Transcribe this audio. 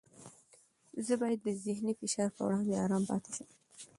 زه باید د ذهني فشار په وړاندې ارام پاتې شم.